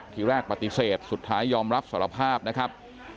ทีแรกปฏิเสธสุดท้ายยอมรับสารภาพนะครับ